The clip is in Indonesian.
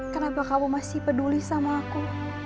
kenapa kamu masih peduli sama aku